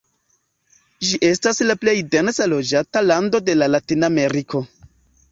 Ĝi estas la plej dense loĝata lando de Latinameriko.